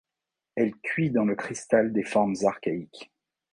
Elle cuit dans le cristal des formes archaïques.